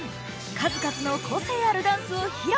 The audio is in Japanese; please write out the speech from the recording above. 数々の個性あるダンスを披露。